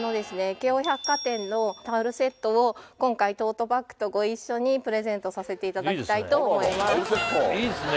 京王百貨店のタオルセットを今回トートバッグとご一緒にプレゼントさせていただきたいと思いますいいですね